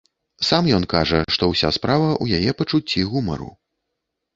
Сам ён кажа, што ўся справа ў яе пачуцці гумару.